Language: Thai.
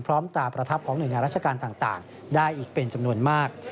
พร้อมตาประทับของหน่วยงานราชการต่างได้อีกเป็นจำนวนมาก